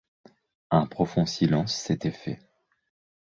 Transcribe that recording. Un profond silence s’était fait.